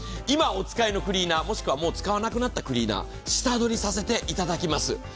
今お使いのクリーナー、もしくは使わなくなったクリーナー、下取りさせていただきます。